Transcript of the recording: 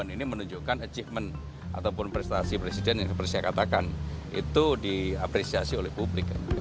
ini menunjukkan achievement ataupun prestasi presiden yang seperti saya katakan itu diapresiasi oleh publik